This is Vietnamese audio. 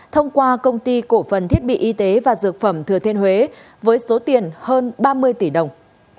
thông qua công ty cổ phần thiết bị y tế và dược phẩm thừa thiên huế với số tiền hơn ba mươi tỷ đồng